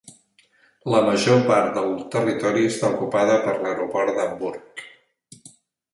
La major part del territori està ocupada per l'aeroport d'Hamburg.